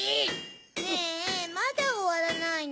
ねぇまだおわらないの？